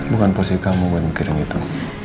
bukan posisi kamu buat mikirin itu